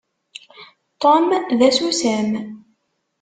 Tom d asusam.